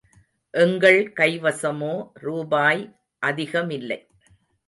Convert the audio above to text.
எங்கள் கைவசமோ ரூபாய் அதிகமில்லை.